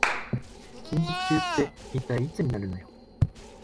近日中って一体いつになるのよ